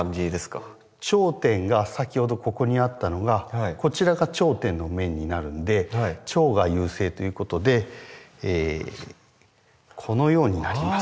頂点が先ほどここにあったのがこちらが頂点の面になるんで頂芽優勢ということでこのようになります。